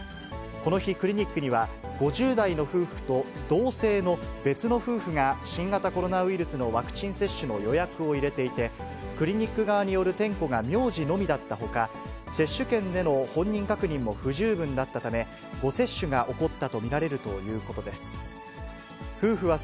この日、クリニックには５０代の夫婦と同姓の別の夫婦が新型コロナウイルスのワクチン接種の予約を入れていて、クリニック側による点呼が名字のみだったほか、接種券での本人確認も不十分だったため、誤接種が起こったと見られるということです。